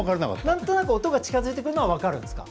なんとなく音が近づいてくるのは分かるんですか？